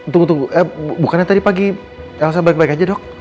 tunggu tunggu bukannya tadi pagi elsa balik balik aja dok